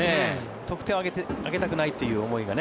得点をあげたくないという思いが。